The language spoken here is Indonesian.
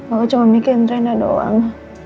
aku cuma mikirin rena doang